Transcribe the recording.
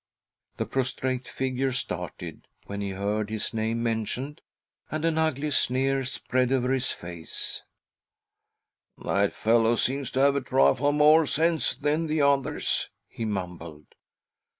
The prostrate figure started , when he heard his name mentioned, and an ugly sneer spread over his face A CALL FROM THE PAST 7* " That fellow seems to have a trifle more sense than the others," he mumbled.